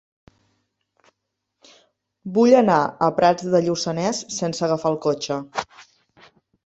Vull anar a Prats de Lluçanès sense agafar el cotxe.